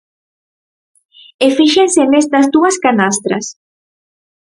E fíxense nestas dúas canastras.